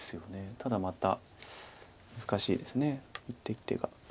ただまた難しいです一手一手が。